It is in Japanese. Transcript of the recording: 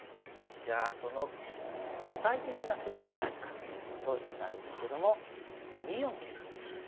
じゃあその具体的な手段は何かということになるんですけども２四桂と。